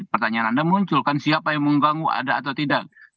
pertanyaan anda munculkan siapa yang mengganggu ada atau tidak